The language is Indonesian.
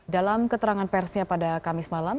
dalam keterangan persnya pada kamis malam